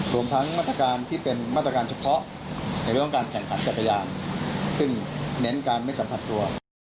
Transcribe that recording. รวมทั้งมาตรการที่เป็นมาตรการเฉพาะในเรื่องของการแข่งขันจักรยานซึ่งเน้นการไม่สัมผัสตัว